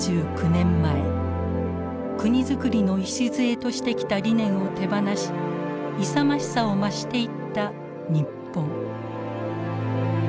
７９年前国づくりの礎としてきた理念を手放し勇ましさを増していった日本。